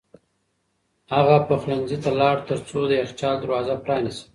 هغه پخلنځي ته لاړ ترڅو د یخچال دروازه پرانیزي.